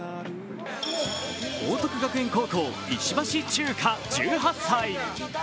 報徳学園高校・石橋チューカ１８歳。